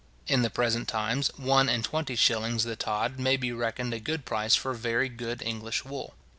In the present times, one and twenty shillings the tod may be reckoned a good price for very good English wool.